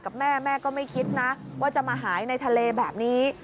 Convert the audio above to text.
กับแม่แม่ก็ไม่คิดนะว่าจะมาหายในทะเลแบบนี้